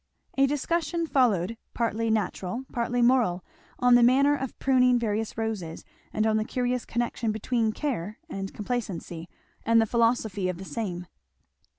A discussion followed, partly natural, partly moral, on the manner of pruning various roses, and on the curious connection between care and complacency, and the philosophy of the same.